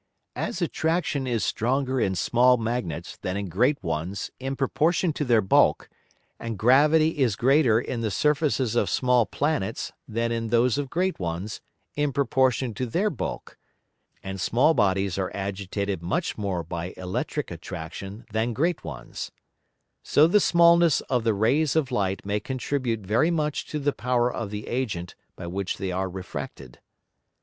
As Attraction is stronger in small Magnets than in great ones in proportion to their Bulk, and Gravity is greater in the Surfaces of small Planets than in those of great ones in proportion to their bulk, and small Bodies are agitated much more by electric attraction than great ones; so the smallness of the Rays of Light may contribute very much to the power of the Agent by which they are refracted.